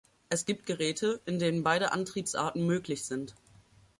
Es gibt Geräte, in denen beide Antriebsarten möglich sind.